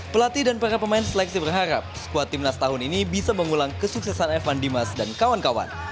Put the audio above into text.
pelatih dan para pemain seleksi berharap squad timnas tahun ini bisa mengulang kesuksesan evan dimas dan kawan kawan